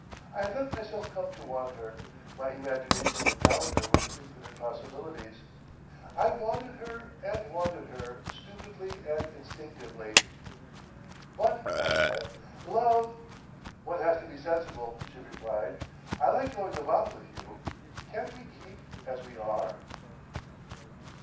I had let myself come to want her, my imagination endowed her with infinite possibilities. I wanted her and wanted her, stupidly and instinctively.... "But," I said "Love—!" "One has to be sensible," she replied. "I like going about with you. Can't we keep as we are?